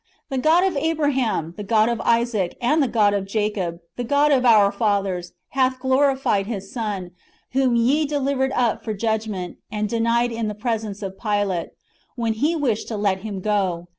The God of Abraham, the God of Isaac, and the God of Jacob, the God of our fathers, hath glorified His Son, whom ye delivered up for judgment," and denied in the presence of Pilate, when he wished to let Him go.